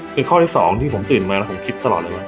คือข้อที่๒ที่ผมตื่นมาแล้วผมคิดตลอดเลยว่า